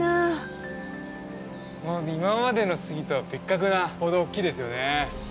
今までの杉とは別格なほど大きいですよね。